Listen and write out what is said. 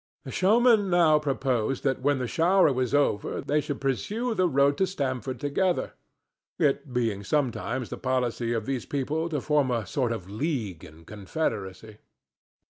The showman now proposed that when the shower was over they should pursue the road to Stamford together, it being sometimes the policy of these people to form a sort of league and confederacy.